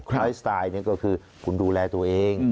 ไลฟ์สไตล์ก็คือคุณดูแลตัวเอง